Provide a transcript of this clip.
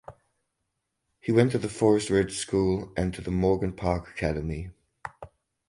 He went to the Forest Ridge School and to the Morgan Park Academy.